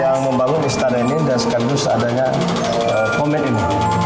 yang membangun istana ini dan sekarang ini seadanya komet ini